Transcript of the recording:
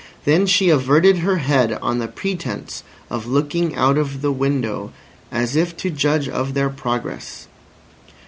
Then she averted her head on the pretence of looking out of the window, as if to judge of their progress.